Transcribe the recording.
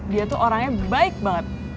dia tuh orangnya baik banget